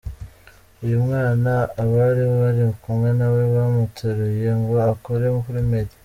Uyu mwana abari bari kumwe nawe bamuteruye ngo akore kuri Meddy